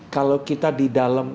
kalau kita di dalam